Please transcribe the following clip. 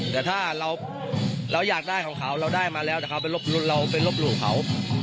แต่ถ้าเราอยากได้ของเขาเราได้มาแล้วแต่เขาไปเราไปลบหลู่เขา